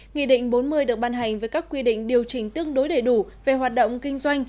nghị định bốn mươi được ban hành với các quy định điều chỉnh tương đối đầy đủ về hoạt động kinh doanh